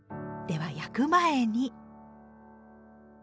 では焼く前に。